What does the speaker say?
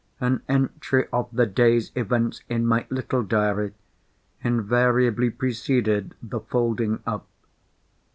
An entry of the day's events in my little diary invariably preceded the folding up.